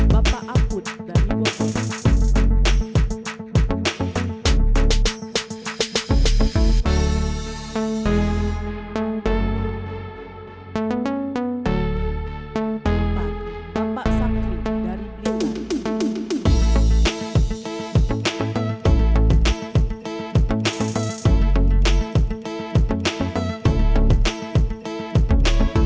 bapak sukarno dari cianjur